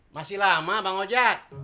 masih lama bang ojat